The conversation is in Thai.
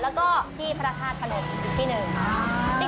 แล้วก็ที่พระธาตุพนมอีกที่หนึ่ง